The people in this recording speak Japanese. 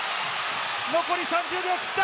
残り３０秒を切った。